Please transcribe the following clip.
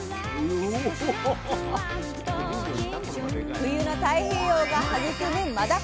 冬の太平洋が育むマダコ。